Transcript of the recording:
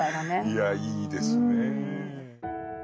いやいいですね。